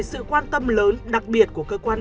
sự quan tâm lớn đặc biệt của cơ quan